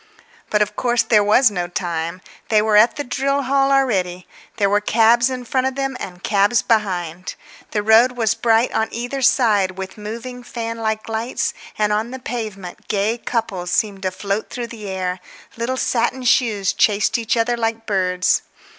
But, of course, there was no time. They were at the drill hall already; there were cabs in front of them and cabs behind. The road was bright on either side with moving fan like lights, and on the pavement gay couples seemed to float through the air; little satin shoes chased each other like birds.